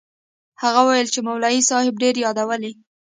هغه وويل چې مولوي صاحب ډېر يادولې.